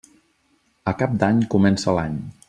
A Cap d'Any comença l'any.